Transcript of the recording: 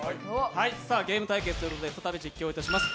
ゲーム対決ということで再び実況いたします。